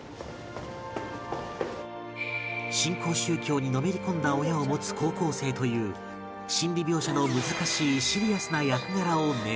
新興宗教にのめり込んだ親を持つ高校生という心理描写の難しい